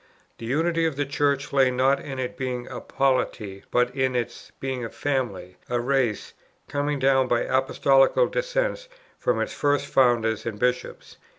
The unity of the Church lay, not in its being a polity, but in its being a family, a race, coming down by apostolical descent from its first founders and bishops.